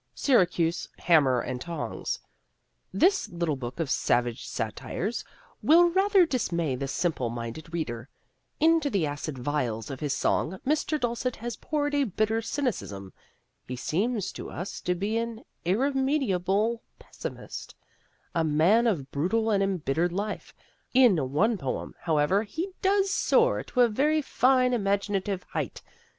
Syracuse Hammer and Tongs: This little book of savage satires will rather dismay the simple minded reader. Into the acid vials of his song Mr. Dulcet has poured a bitter cynicism. He seems to us to be an irremediable pessimist, a man of brutal and embittered life. In one poem, however, he does soar to a very fine imaginative height.